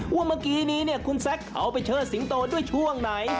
ว่าเมื่อกี้นี้คุณแซคเขาไปเชิดสิงโตด้วยช่วงไหน